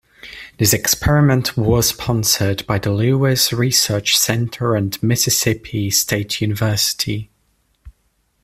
This experiment was sponsored by the Lewis Research Center and Mississippi State University.